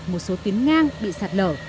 một số tuyến ngang bị sạt lở